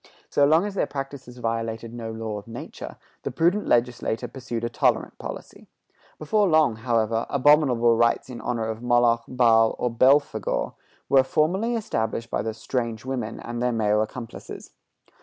So long as their practices violated no law of nature, the prudent legislator pursued a tolerant policy. Before long, however, abominable rites in honor of Moloch, Baal, or Belphegor, were formally established by the "strange women" and their male accomplices.